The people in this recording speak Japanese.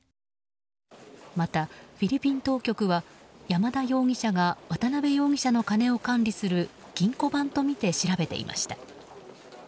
また、フィリピン当局は山田容疑者が渡辺容疑者の金を管理する金庫番とみて調べていました。